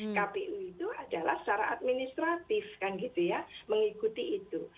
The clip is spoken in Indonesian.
kpu itu adalah secara administratif kan gitu ya mengikuti itu